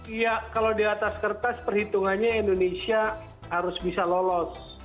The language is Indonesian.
iya kalau di atas kertas perhitungannya indonesia harus bisa lolos